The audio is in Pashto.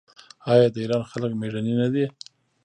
آیا د ایران خلک میړني نه دي؟